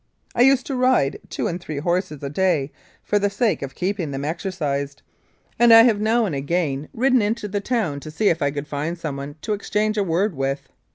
I used to ride two and three horses a day for the sake of keeping them exercised, and I have now and 97 Mounted Police Life in Canada again ridden into the town to see if I could find someone to exchange a word with.